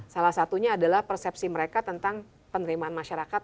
salah satunya adalah persepsi mereka tentang penerimaan masyarakat